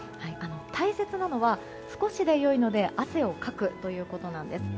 大切なのは少しで良いので汗をかくことなんです。